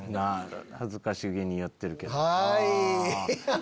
恥ずかしげに言ってるけど。